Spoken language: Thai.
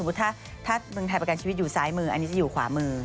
ถ้าเมืองไทยประกันชีวิตอยู่ซ้ายมืออันนี้จะอยู่ขวามือ